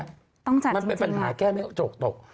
ต้องจัดจริงว่ะมันเป็นปัญหาแก้ไม่โจรก